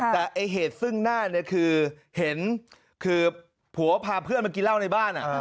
แต่เหตุซึ่งหน้าเนี่ยคือเห็นคือผัวพาเพื่อนมากินเหล้าในบ้าน